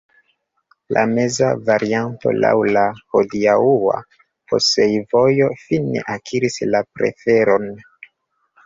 La meza varianto laŭ la hodiaŭa pasejvojo fine akiris la preferon.